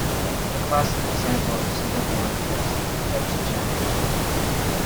A classic example of a single-blind test is the Pepsi Challenge.